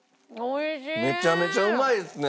めちゃめちゃうまいっすね。